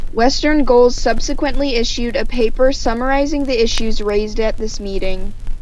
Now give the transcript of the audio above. Western Goals subsequently issued a paper summarising the issues raised at this meeting.